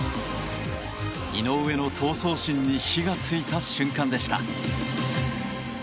井上の闘争心に火が付いた瞬間でした。